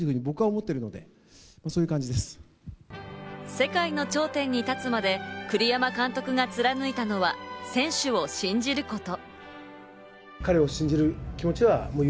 世界の頂点に立つまで栗山監督が貫いたのは、選手を信じること。